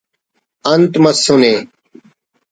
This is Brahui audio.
…… ”انت مس نے